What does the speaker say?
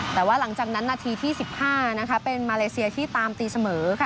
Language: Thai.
แต่ว่าหลังจากนั้นนาทีที่๑๕เป็นมาเลเซียที่ตามตีเสมอค่ะ